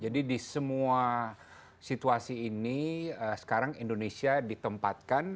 jadi di semua situasi ini sekarang indonesia ditempatkan